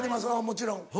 もちろん。